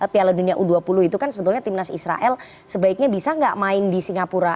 piala dunia u dua puluh itu kan sebetulnya timnas israel sebaiknya bisa nggak main di singapura